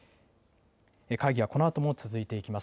会議はこのあとも続いていきます。